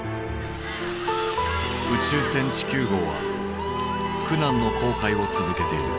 「宇宙船地球号」は苦難の航海を続けている。